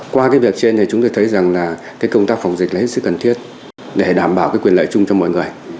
qua việc trên chúng tôi thấy công tác phòng dịch là hết sức cần thiết để đảm bảo quyền lợi chung cho mọi người